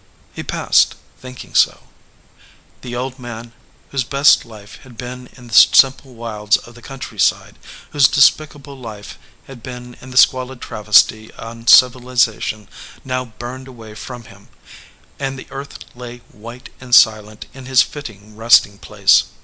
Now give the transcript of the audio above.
He passed, thinking so. The old man whose best life had been in the simple wilds of the countryside, whose despicable life had been in the squalid travesty on civilization, now burned away from him, and the earth lay white and silent in his fitting resting place.